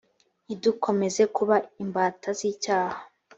ntidukomeze kuba imbata z’icyaha